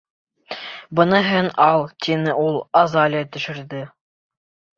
«Быныһын ал, — тине ул. -Азалия төшөрҙө».